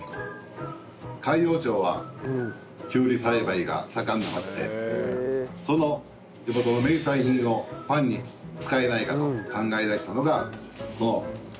海陽町はきゅうり栽培が盛んな町でその地元の名産品をパンに使えないかと考え出したのがこの。